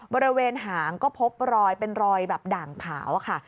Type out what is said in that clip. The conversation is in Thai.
บริเวณหางก็พบรอยเป็นรอยแบบด่างขาวค่ะ